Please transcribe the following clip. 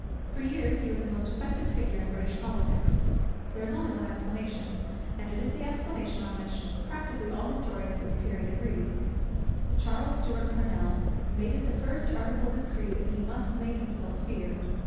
For years he was the most effective figure in British politics. There is only one explanation; and it is the explanation upon which practically all the historians of that period agree. Charles Stewart Parnell made it the first article of his creed that he must make himself feared.